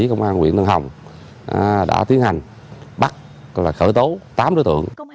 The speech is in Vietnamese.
công an huyện tân hồng đã tiến hành bắt khởi tố tám đối tượng